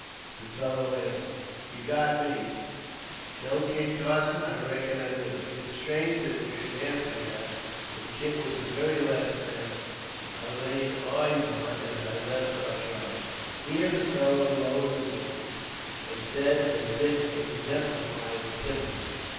The fellow answered: "You've got me! Know Kit Carson! I reckon I do. It is strange that you should ask me that, when Kit was the very last man I laid eyes on as I left our tribe." Here the fellow lowered his voice and said, as if exemplifying sympathy.